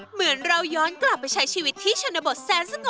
เหมือนเราย้อนกลับไปใช้ชีวิตที่ชนบทแสนสงบ